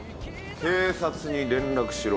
警察に連絡しろ。